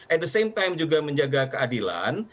at the same time juga menjaga keadilan